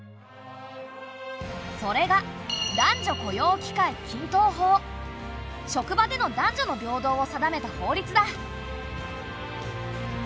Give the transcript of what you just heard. それが職場での男女の平等を定めた法律だ。